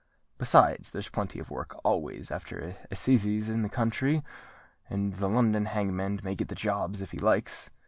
Besides, there's plenty of work always after Assizes in the country; and the London hangman may get the jobs if he likes.